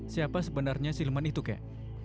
siapa sebenarnya silman itu kek